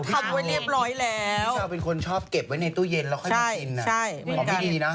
พี่เซาเป็นคนชอบเก็บไว้ในตู้เย็นแล้วพอเล่นมันกิน